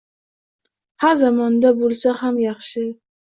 Har zamonda bo‘lsa ham yaxshi.